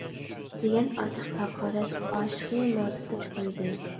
— دېگەن ئاچچىق ھاقارەت، ئاشىقنى مەڭدىتىپ قويدى.